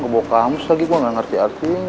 bawa kamus lagi gue gak ngerti artinya